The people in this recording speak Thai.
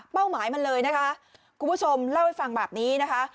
หมายมันเลยนะคะคุณผู้ชมเล่าให้ฟังแบบนี้นะคะ